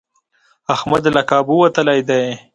احمد له کابو وتلی دی.